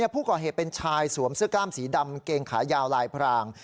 ผู้ก่อเหตุเป็นชายสวมเสื้อกล้ามสีดำเกงขายาวลายพราง